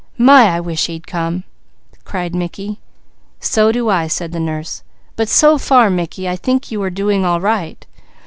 "My, I wish he'd come!" cried Mickey. "So do I," said the nurse. "But so far Mickey, I think you are doing all right.